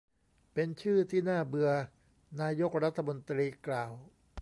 เป็นชื่อที่น่าเบื่อ นายกรัฐมนตรีกล่าว